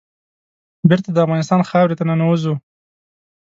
بېرته د افغانستان خاورې ته ننوزو.